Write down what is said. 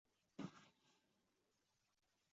格拉塞伦巴赫是德国黑森州的一个市镇。